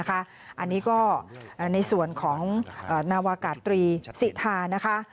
อันนี้ก็ในส่วนของนาวากาตรีสิทานะคะ